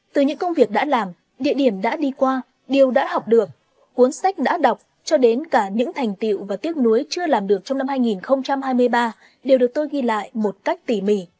từ những công việc đã làm địa điểm đã đi qua điều đã học được cuốn sách đã đọc cho đến cả những thành tiệu và tiếc nuối chưa làm được trong năm hai nghìn hai mươi ba đều được tôi ghi lại một cách tỉ mỉ